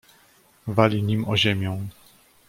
"Wali nim o ziemię."